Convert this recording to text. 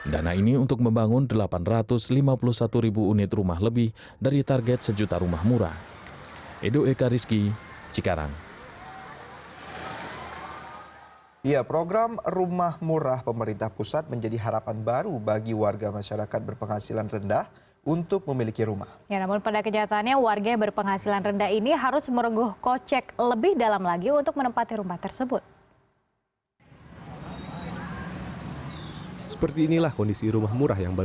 dana ini untuk membangun delapan ratus lima puluh satu ribu unit rumah lebih dari target sejuta rumah murah